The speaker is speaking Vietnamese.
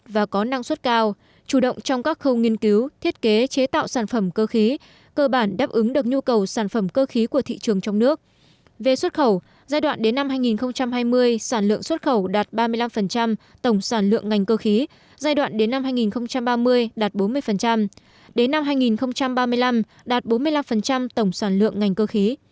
về xuất khẩu giai đoạn đến năm hai nghìn hai mươi sản lượng xuất khẩu đạt ba mươi năm tổng sản lượng ngành cơ khí giai đoạn đến năm hai nghìn ba mươi đạt bốn mươi đến năm hai nghìn ba mươi năm đạt bốn mươi năm tổng sản lượng ngành cơ khí